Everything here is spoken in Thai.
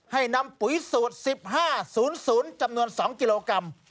ให้นำปุ๋ยสูตร๑๕๐๐จำนวน๒กิโลกรัม